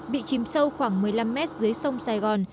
bị chìm sâu khoảng một mươi năm mét dưới sông sài gòn